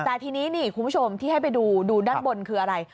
แต่ทีนี้นี่คุณผู้ชมที่ให้ไปดูดูด้านบนคืออะไร